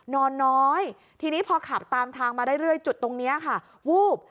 นอนน้อยทีนี้พอขับตามทางมาเรื่อยจุดตรงนี้ค่ะวูบ